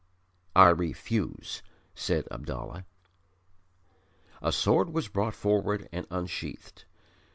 '" "I refuse," said Abdallah. A sword was brought forward and unsheathed.